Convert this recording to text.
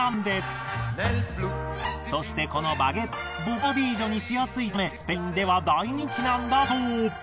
そしてこのバゲッテはボカディージョにしやすいためスペインでは大人気なんだそう。